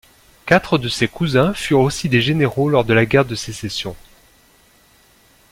Quatre de ses cousins furent aussi des généraux lors de la guerre de Sécession.